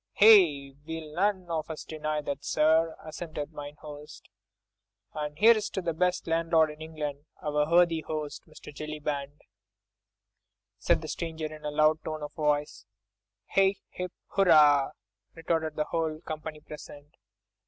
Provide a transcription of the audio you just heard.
"Aye! we'll none of us deny that, sir," assented mine host. "And here's to the best landlord in England, our worthy host, Mr. Jellyband," said the stranger in a loud tone of voice. "Hip, hip, hurrah!" retorted the whole company present.